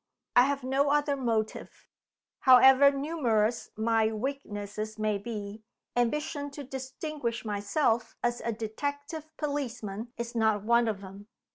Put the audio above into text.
I have no other motive. However numerous my weaknesses may be, ambition to distinguish myself as a detective policeman is not one of them.